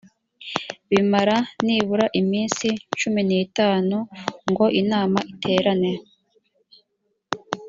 bimara nibura iminsi cumi n’itanu ngo inama iterane